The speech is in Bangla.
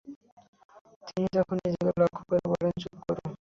তিনি তখন নিজেকে লক্ষ্য করে বলেনঃ চুপ কর!